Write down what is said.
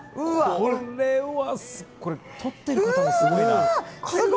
これ、撮っている方もすごいな。